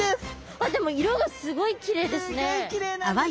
あっでも色がすごいきれいですね。